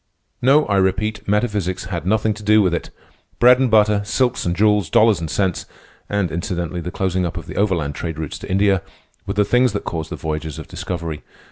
No, I repeat, metaphysics had nothing to do with it. Bread and butter, silks and jewels, dollars and cents, and, incidentally, the closing up of the overland trade routes to India, were the things that caused the voyages of discovery.